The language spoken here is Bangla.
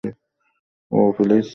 Oh, please.